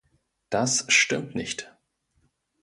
Das stimmt nicht.